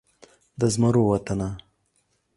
د زمرو وطنه